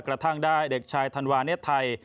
กระทั่งได้เด็กชายธันวาเน็ตไทย